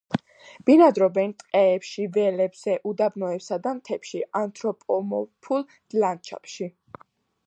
ბინადრობენ ტყეებში, ველებზე, უდაბნოებსა და მთებში, ანთროპომორფულ ლანდშაფტში.